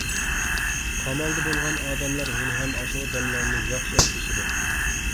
قامالدا بولغان ئادەملەر ھېلىھەم ئاشۇ دەملەرنى ياخشى ئەسلىشىدۇ.